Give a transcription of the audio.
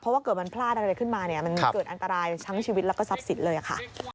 เพราะว่าเกิดมันพลาดอะไรขึ้นมาเนี่ยมันเกิดอันตรายทั้งชีวิตแล้วก็ทรัพย์สินเลยค่ะ